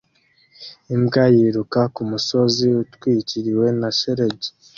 Imbwa yiruka kumusozi utwikiriwe na shelegi